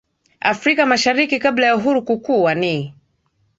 Afrika mashariki kabla ya Uhuru Kukua Ni